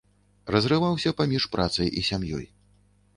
Разрываўся паміж працай і сям'ёй.